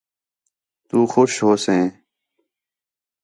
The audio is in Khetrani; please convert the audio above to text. تُو خوش ہوسیں